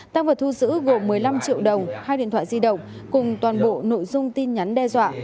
tăng vật thu giữ gồm một mươi năm triệu đồng hai điện thoại di động cùng toàn bộ nội dung tin nhắn đe dọa